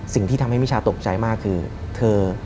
สิ่งที่ทำให้มิชาตกใจมากคือเธอ